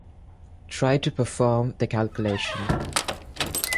Try to perform the calculation.